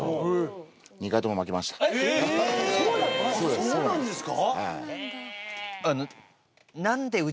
そうなんですか？